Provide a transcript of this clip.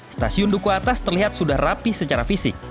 stasiun duku atas terlihat sudah rapi secara fisik